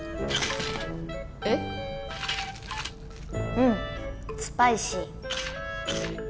うんスパイシー。